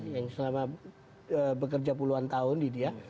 yang selama bekerja puluhan tahun di dia